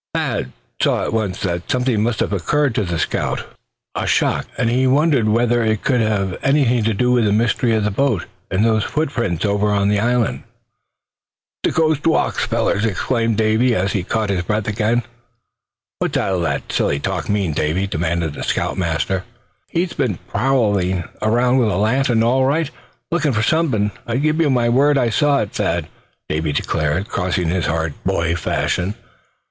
Thad saw at once that something must have occurred to give the scout a shock; and he wondered whether it could have anything to do with the mystery of the boat, and those footprints over on the island. "The ghost walked, fellers!" exclaimed Davy, as he caught his breath again. "What's all that silly talk mean, Davy?" demanded the scout master. "Well, he's been prowling around with a lantern, all right, lookin' for something; I give you my word I saw it, Thad," Davy declared, crossing his heart, boy fashion.